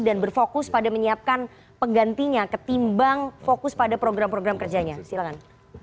dan berfokus pada menyiapkan penggantinya ketimbang fokus pada program program kerjanya silahkan